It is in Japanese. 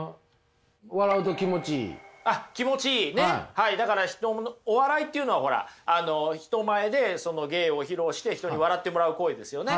はいだからお笑いというのはほら人前で芸を披露して人に笑ってもらう行為ですよね。